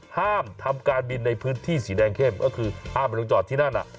ห้ามทำการบินในพื้นที่สีแดงเข้มก็คือห้ามไปลงจอดที่นั่น